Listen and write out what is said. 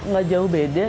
nggak jauh beda